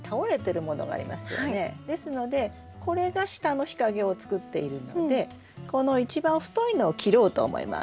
ですのでこれが下の日陰を作っているのでこの一番太いのを切ろうと思います。